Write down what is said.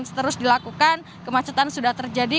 ini juga terus dilakukan kemacetan sudah terjadi